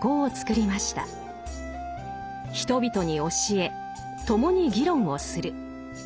人々に教え共に議論をする。